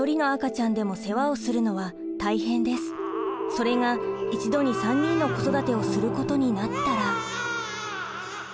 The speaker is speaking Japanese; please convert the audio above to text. それが一度に３人の子育てをすることになったら。